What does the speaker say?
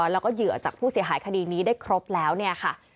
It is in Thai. แล้วก็เหยื่อจากผู้เสียหายคดีนี้ได้ครบแล้วเนี่ยค่ะ